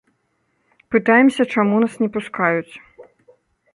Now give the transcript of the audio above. Пытаемся, чаму нас не пускаюць.